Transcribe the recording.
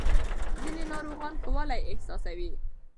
ځینې ناروغان ښه والی احساسوي.